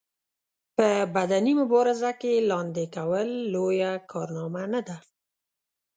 په بدني مبارزه کې لاندې کول لويه کارنامه نه ده.